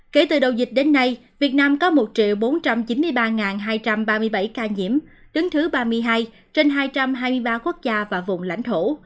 kể từ đầu dịch đến nay việt nam có một bốn trăm chín mươi ba hai trăm ba mươi bảy ca nhiễm đứng thứ ba mươi hai trên hai trăm hai mươi ba quốc gia và vùng lãnh thổ